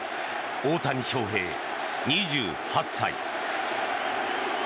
大谷翔平、２８歳。